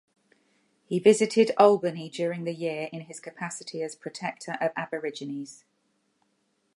He visited Albany during the year in his capacity as Protector of Aborigines.